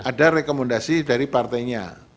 ada rekomendasi dari partainya